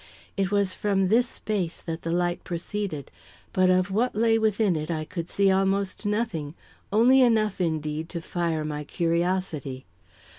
It was from this space that the light proceeded, but of what lay within it I could see almost nothing only enough, indeed, to fire my curiosity.